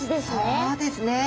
そうですね！